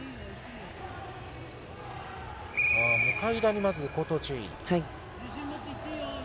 向田にまず口頭注意。